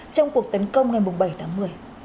trong cuộc tấn công ngày bảy tháng một mươi